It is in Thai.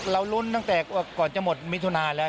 ลุ้นตั้งแต่ก่อนจะหมดมิถุนาแล้ว